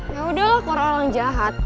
yaudahlah kalo orang jahat